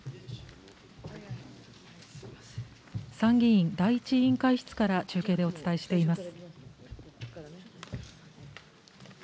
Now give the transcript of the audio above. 参議院第１委員会室から中継でお伝えしています。